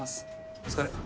お疲れ。